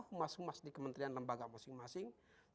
humas humas di kementerian lembaga masing masing